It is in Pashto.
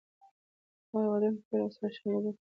په دغو هېوادونو کې یې له ولسمشرانو لیدلي.